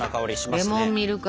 レモンミルク